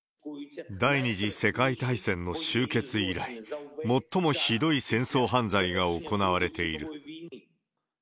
第２次世界大戦の終結以来、最もひどい戦争犯罪が行われている。